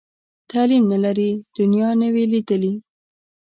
تعلیم نه لري، دنیا نه وي لیدلې.